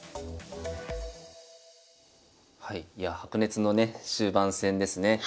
はいいやあ白熱のね終盤戦ですね。